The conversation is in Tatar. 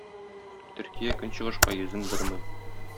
Төркия көнчыгышка йөзен бормый